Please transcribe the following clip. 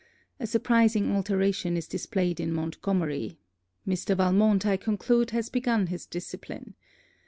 A surprising alteration is displayed in Montgomery. Mr. Valmont, I conclude, has begun his discipline.